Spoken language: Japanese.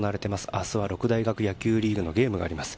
明日は六大学野球リーグのゲームがあります。